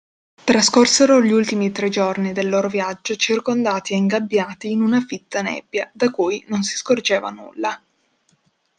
Trascorsero gli ultimi tre giorni del loro viaggio circondati e ingabbiati in una fitta nebbia, da cui non si scorgeva nulla.